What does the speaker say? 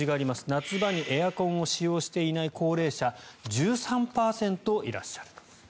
夏場にエアコンを使用していない高齢者１３％いらっしゃると。